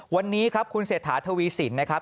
วันนี้ครับคุณเศรษฐาทวีสินนะครับ